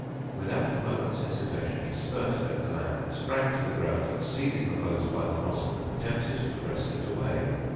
Without a moment's hesitation he spurted at the man, sprang to the ground, and, seizing the hose by the nozzle, attempted to wrest it away.